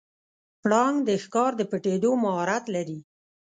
پړانګ د ښکار د پټیدو مهارت لري.